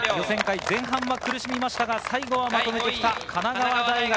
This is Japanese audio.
前半は苦しみましたが、最後はまとめてきた神奈川大学。